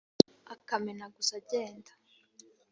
Akamenaguza agenda,